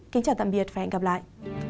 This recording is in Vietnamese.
xin chào tạm biệt và hẹn gặp lại